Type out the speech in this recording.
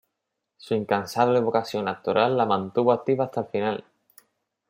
Su incansable vocación actoral la mantuvo activa hasta el final.